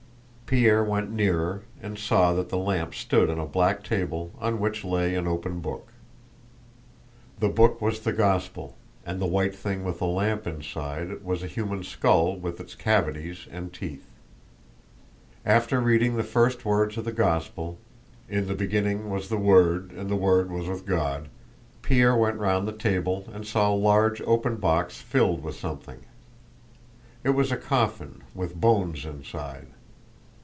Pierre went nearer and saw that the lamp stood on a black table on which lay an open book. The book was the Gospel, and the white thing with the lamp inside was a human skull with its cavities and teeth. After reading the first words of the Gospel: "In the beginning was the Word and the Word was with God," Pierre went round the table and saw a large open box filled with something. It was a coffin with bones inside.